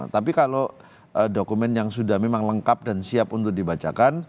tapi kalau dokumen yang sudah memang lengkap dan siap untuk dibacakan